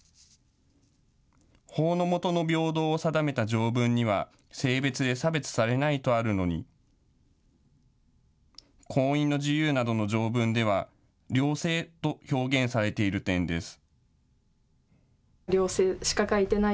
法の下の平等を定めた条文には性別で差別されないとあるのに婚姻の自由などの条文では両性と表現されている点です。